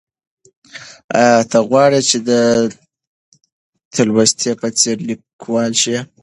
ایا ته غواړې چې د تولستوی په څېر لیکوال شې؟